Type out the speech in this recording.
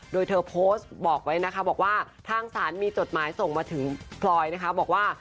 โดยเธอโพสต์บอกไว้นะคะบอกว่าทางศาลมีจดหมายส่งมาถึงพลอยนะคะบอกว่า